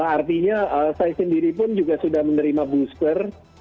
artinya saya sendiri pun juga sudah menerima booster